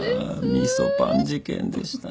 みそパン事件でしたね。